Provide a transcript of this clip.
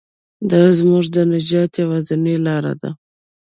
دا زموږ د نجات یوازینۍ لاره ده.